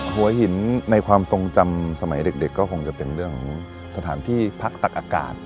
หัวหินในความทรงจำสมัยเด็กก็คงจะเป็นเรื่องของสถานที่พักตักอากาศ